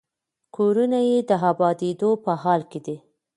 کورونه یې د ابادېدو په حال کې دي.